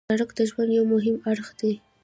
سړک د ژوند یو مهم اړخ دی.